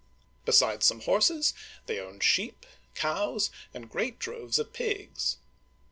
Besides some horses, they owned sheep, cows, and great droves of pigs.